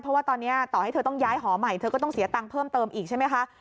เพราะว่าตอนนี้ต่อให้เธอต้องย้ายหอใหม่เธอก็ต้องเสียตังค์เพิ่มเติมอีกใช่ไหมคะ